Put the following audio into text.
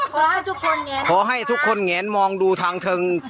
ขอให้ทุกคนแงนขอให้ทุกคนแงนมองดูทางเทิง